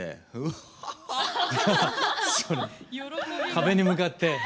壁に向かって。